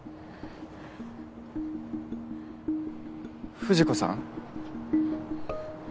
藤子さん？